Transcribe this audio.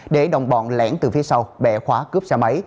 để đồng bọn lẻn từ phía sau bẻ khóa cướp xe máy